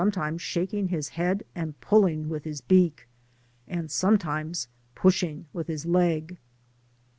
times shaking his head and pulling witl\ his beak, and sometimes pushing with his leg.